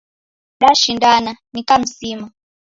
Dashindana, nikamsima.